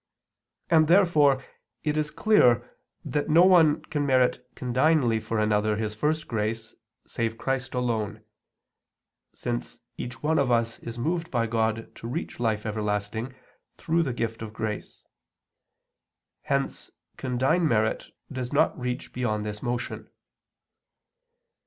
And therefore it is clear that no one can merit condignly for another his first grace, save Christ alone; since each one of us is moved by God to reach life everlasting through the gift of grace; hence condign merit does not reach beyond this motion.